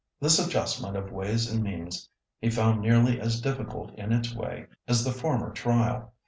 This adjustment of ways and means he found nearly as difficult in its way as the former trial.